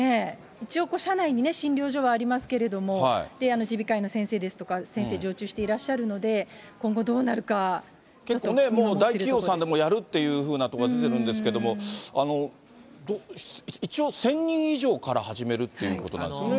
一応、社内に診療所はありますけれども、耳鼻科医の先生ですとか、先生、常駐していらっしゃるので、今後どうなるのか、結構ね、もう大企業さんでもやるっていうふうな所が出てるんですけれども、一応、１０００人以上から始めるということなんですよね。